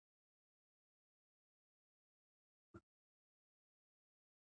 هنر د زغم او صبر د زده کړې یو ښه مکتب دی.